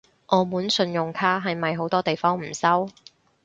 澳門信用卡係咪好多地方唔收？